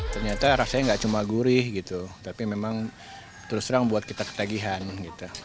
ternyata rasanya nggak cuma gurih gitu tapi memang terus terang buat kita ketagihan gitu